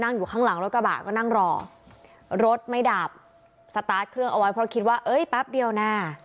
อยู่ข้างหลังรถกระบะก็นั่งรอรถไม่ดับสตาร์ทเครื่องเอาไว้เพราะคิดว่าเอ้ยแป๊บเดียวนะ